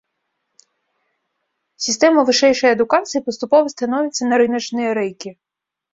Сістэма вышэйшай адукацыі паступова становіцца на рыначныя рэйкі.